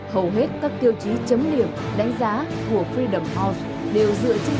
hầu hết các tiêu chí chấm liềm đánh giá của freedom house đều dựa trên